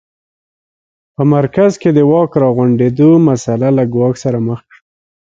په مرکز کې د واک راغونډېدو مسٔله له ګواښ سره مخ کړه.